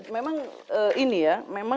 memang ini ya